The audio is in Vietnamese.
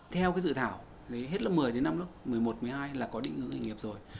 theo cái dự thảo hết lớp một mươi đến năm lớp một mươi một một mươi hai là có định hướng nghề nghiệp rồi